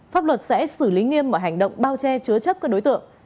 pháp luật sẽ xử lý nghiêm mọi hành động bao che chứa chấp các đối tượng